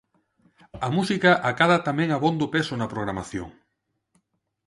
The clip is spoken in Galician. A música acada tamén abondo peso na programación.